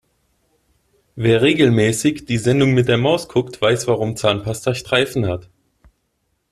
Wer regelmäßig die Sendung mit der Maus guckt, weiß warum Zahnpasta Streifen hat.